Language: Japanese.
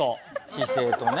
姿勢とね。